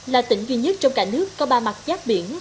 là tỉnh duy nhất trong cả nước có ba mặt giác biển